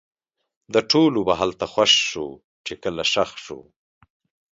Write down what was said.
د ټولو به هلته خوښ شو؛ چې کله ښخ سو